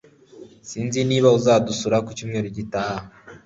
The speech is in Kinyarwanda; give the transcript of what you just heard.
Sinzi niba azadusura ku cyumweru gitaha